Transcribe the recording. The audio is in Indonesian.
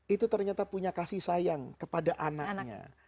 itu ternyata punya kasih sayang kepada anaknya